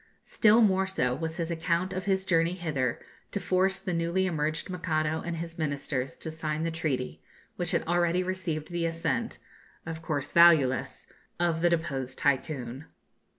Still more so was his account of his journey hither to force the newly emerged Mikado and his Ministers to sign the treaty, which had already received the assent (of course valueless) of the deposed Tycoon.